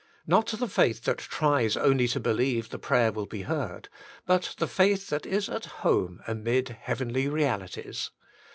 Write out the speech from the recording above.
JSTot the faith that tries only to believe the prayer will be heard, but the faith that is at home amid heavenly realities.